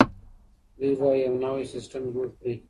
دوی به يو نوی سيستم جوړ کړي.